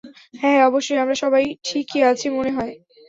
হ্যাঁ, হ্যাঁ, অবশ্যই, আমরা সবাই ঠিকই আছি, মনে হয়।